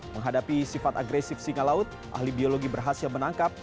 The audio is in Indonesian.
menghadapi sifat agresif singa laut ahli biologi berhasil menangkap